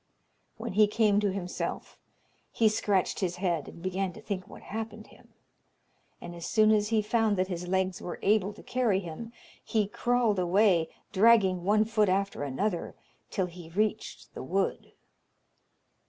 When he came to himself, he scratched his head, and began to think what happened him; and as soon as he found that his legs were able to carry him, he crawled away, dragging one foot after another, till he reached the wood.